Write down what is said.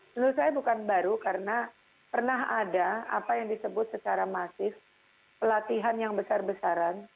menurut saya bukan baru karena pernah ada apa yang disebut secara masif pelatihan yang besar besaran